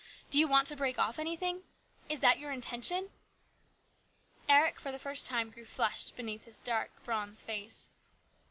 Do you want to break off anything ? Is that your intention ?" Eric for the first time grew flushed beneath his dark bronzed face.